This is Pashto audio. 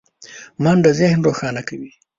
منډه ذهن روښانه کوي